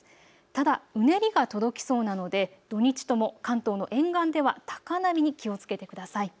ただ、うねりが届きそうなので土日とも関東の沿岸では高波に気をつけてください。